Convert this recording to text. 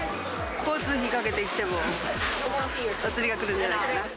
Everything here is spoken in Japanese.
交通費かけて来ても、お釣りが来るんじゃないかな。